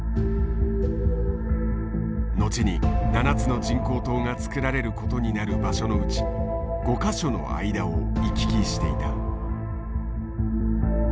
後に７つの人工島が造られることになる場所のうち５か所の間を行き来していた。